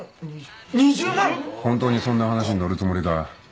ホントにそんな話に乗るつもりか？